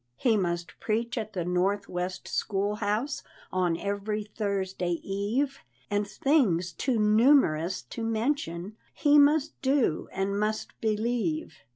He must preach at the north west school house On every Thursday eve, And things too numerous to mention He must do, and must believe.